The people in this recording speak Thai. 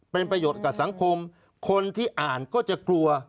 เป็นประโยชน์กับสังคมคนที่อ่านก็จะกลัว